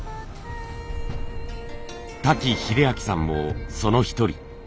瀧英晃さんもその一人。